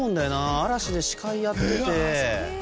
嵐で司会をやっていて。